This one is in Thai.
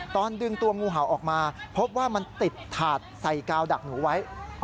ตอนดึงตัวงูเห่าออกมาพบว่ามันติดถาดใส่กาวดักหนูไว้